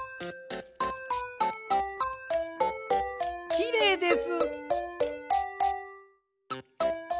きれいです。